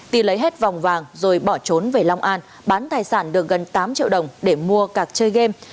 ti lấy hết vòng vàng rồi bỏ trốn về long an bán tài sản được gần tám triệu đồng để mua cạc chơi game